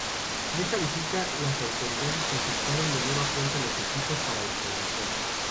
En esta visita, las autoridades confiscaron de nueva cuenta los equipos para la transmisión.